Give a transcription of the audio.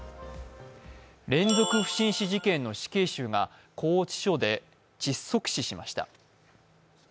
連続不審死事件の死刑囚が拘置所で窒息死しました。